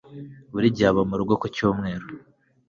Buri gihe aba murugo ku cyumweru